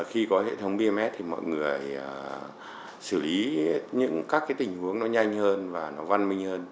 khi có hệ thống bms thì mọi người xử lý những các cái tình huống nó nhanh hơn và nó văn minh hơn